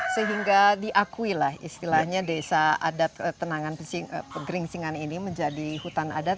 sehingga diakuilah istilahnya desa adat tenangan pegeringsingan ini menjadi hutan adat